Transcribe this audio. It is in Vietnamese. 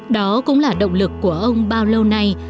đó cũng là động lực của ông bao lâu nay